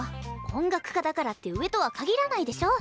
音楽科だからって上とは限らないでしょ。